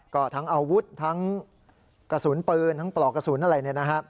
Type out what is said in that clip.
ก็ทั้งอาวุธทั้งกระสุนปืนทั้งปลอกกระสุนอะไรเนี่ยนะฮะ